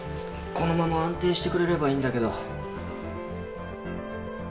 このまま安定してくれればいいんだけど。